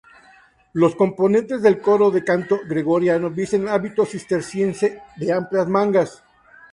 Los componentes del coro de canto gregoriano visten hábito cisterciense de amplias mangas.